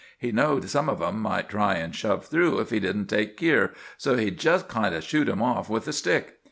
He knowed some of 'em might try and shove through if he didn't take keer, so he jest kind of shooed 'em off with a stick.